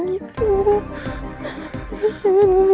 enggak kamu jangan menggigit ibu